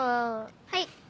はい。